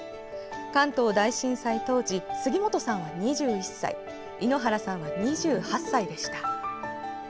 関東大震災当時杉本さんは２１歳猪原さんは２８歳でした。